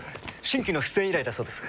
新規の出演依頼だそうです。